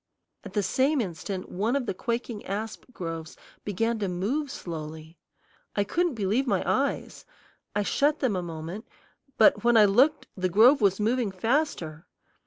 At the same instant one of the quaking asp groves began to move slowly. I couldn't believe my eyes. I shut them a moment, but when I looked the grove was moving faster.